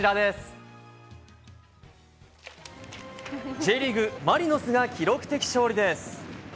Ｊリーグマリノスが記録的勝利です。